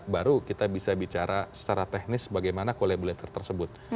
baru kita bisa bicara secara teknis bagaimana collaborator tersebut